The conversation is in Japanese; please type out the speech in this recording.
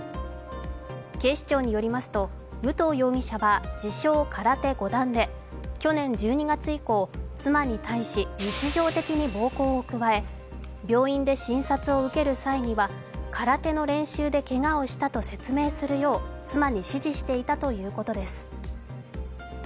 警視庁によりますと、武藤容疑者は自称空手五段で去年１２月以降、妻に対し日常的に暴行を加え、病院で診察を受ける際には、空手の練習でけがをしたと説明するよう妻に指示していたということです。